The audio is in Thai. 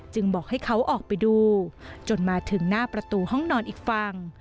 บอกให้เขาออกไปดูจนมาถึงหน้าประตูห้องนอนอีกฝั่ง